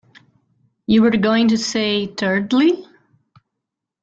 You were going to say, thirdly?